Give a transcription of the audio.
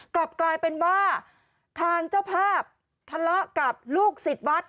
กลับกลายเป็นว่าทางเจ้าภาพทะเลาะกับลูกศิษย์วัด